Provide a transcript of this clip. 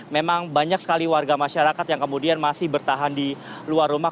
memang banyak sekali warga masyarakat yang kemudian masih bertahan di luar rumah